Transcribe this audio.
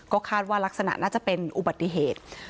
ก็คาดว่าลักษณะน่าจะเป็นอุบัติเหตุ